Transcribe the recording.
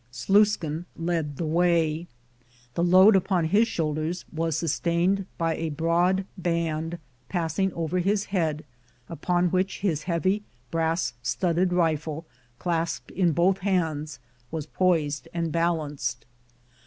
Sluiskin led the way. The load upon his shoulders was sustained by a broad band, passing over his head, upon which his heavy, brass studded rifle, clasped in both hands, was poised and balanced.